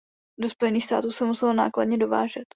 Do Spojených států se muselo nákladně dovážet.